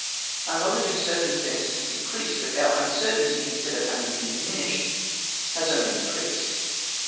Our knowledge of circumstances has increased, but our uncertainty, instead of having diminished, has only increased.